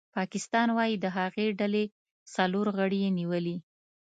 پاکستان وايي د هغې ډلې څلور غړي یې نیولي